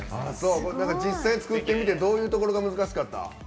実際作ってみてどういうところが難しかった？